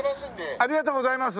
ありがとうございます。